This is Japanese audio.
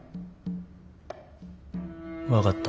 分かった。